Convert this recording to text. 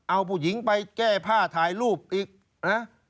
เอาผู้หญิงไปแก้ผ้าถ่ายรูปอีกนะ